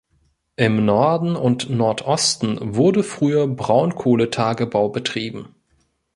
Im Norden und Nordosten wurde früher Braunkohletagebau betrieben.